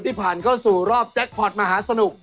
ผ่านเข้าสู่รอบแจ็คพอร์ตมหาสนุก